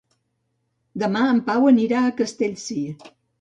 Demà en Pau anirà a Castellcir.